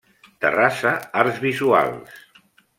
Terrassa Arts Visuals.